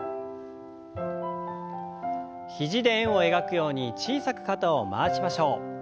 肘で円を描くように小さく肩を回しましょう。